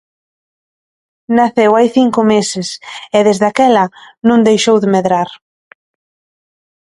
Naceu hai cinco meses e, desde aquela, non deixou de medrar.